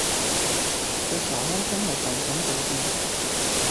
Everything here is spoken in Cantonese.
隻傻閪真係神神地嘅！